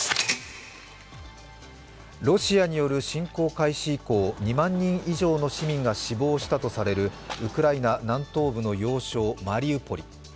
ロシアによる侵攻開始以降、２万人以上の市民が死亡したとされるウクライナ南東部の要衝・マウリポリ。